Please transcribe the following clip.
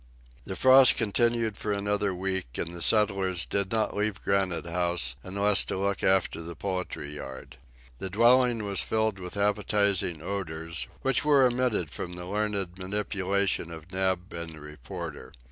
The frost continued for another week, and the settlers did not leave Granite House unless to look after the poultry yard. The dwelling was filled with appetizing odors, which were emitted from the learned manipulation of Neb and the reporter.